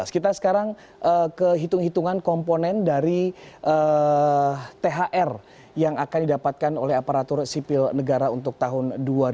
kita sekarang kehitungan komponen dari thr yang akan didapatkan oleh aparatur sipil negara untuk tahun dua ribu delapan belas